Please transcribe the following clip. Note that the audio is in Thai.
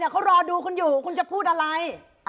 คุณจะพูดอะไร